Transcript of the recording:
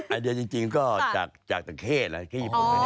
ไอเดียจริงก็จากจักรแข้จักรแข้ญี่ปุ่น